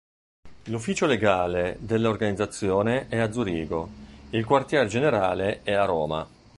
L'ufficio legale dell'organizzazione è a Zurigo, il quartier generale è a Roma.